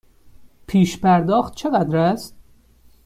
پیش پرداخت چقدر است؟